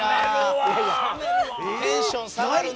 テンション下がるなあ。